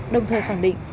đồng thời khẳng định